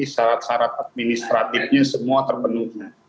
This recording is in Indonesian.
syarat syarat administratifnya semua terpenuhi